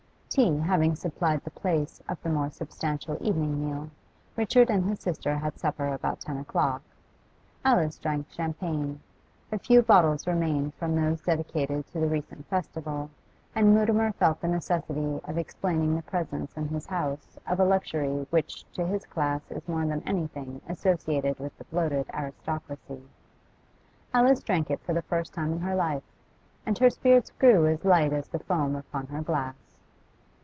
Tea having supplied the place of the more substantial evening meal, Richard and his sister had supper about ten o'clock. Alice drank champagne; a few bottles remained from those dedicated to the recent festival, and Mutimer felt the necessity of explaining the presence in his house of a luxury which to his class is more than anything associated with the bloated aristocracy. Alice drank it for the first time in her life, and her spirits grew as light as the foam upon her glass.